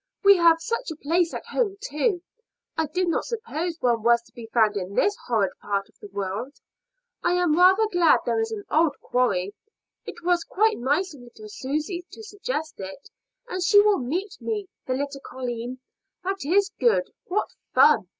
We have such a place at home, too. I did not suppose one was to be found in this horrid part of the world. I am rather glad there is an old quarry; it was quite nice of little Susy to suggest it, and she will meet me, the little colleen. That is good. What fun!